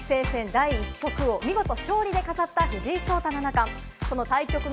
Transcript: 第１局を見事勝利で飾った藤井聡太七冠。